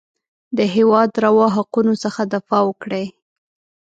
د هېواد روا حقونو څخه دفاع وکړي.